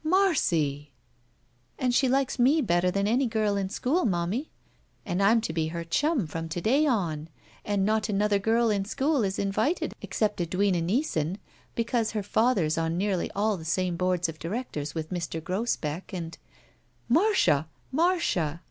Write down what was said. "Marcy!" "And she likes me better than any girl in school, momie, and I'm to be her chum from to day on, and not another girl in school is invited except Edwina Neison, because her father's on nearly all the same boards of directors with Mr. Grosbeck, and—" "Marcia! Marcia!